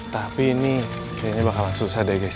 tapi ini kayaknya bakalan susah deh